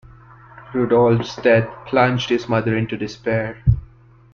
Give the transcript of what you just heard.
Rudolf's death plunged his mother into despair.